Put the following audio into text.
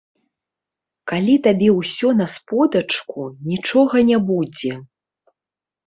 Калі табе ўсё на сподачку, нічога не будзе.